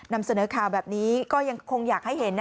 นำเสนอข่าวแบบนี้ก็ยังคงอยากให้เห็น